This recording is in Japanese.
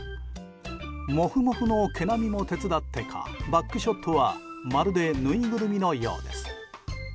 モフモフの毛並みも手伝ってかバックショットはまるでぬいぐるみのようです。